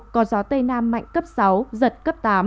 có gió tây nam mạnh cấp sáu giật cấp tám